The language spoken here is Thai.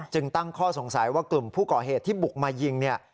ตั้งข้อสงสัยว่ากลุ่มผู้ก่อเหตุที่บุกมายิงเนี่ย